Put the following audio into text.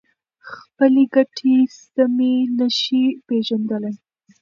خپلې ګټې سمې نشي پېژندلای.